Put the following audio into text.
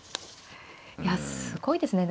いやすごいですね。